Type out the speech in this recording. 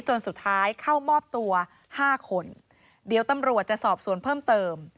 จนสุดท้ายเข้ามอบตัวห้าคนเดี๋ยวตำรวจจะสอบสวนเพิ่มเติม